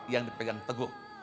yang dipegang teguk